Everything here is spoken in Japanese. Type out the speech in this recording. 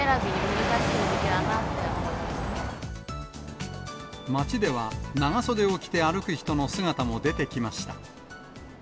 難しい時期だなって街では、長袖を着て歩く人の姿も出てきました。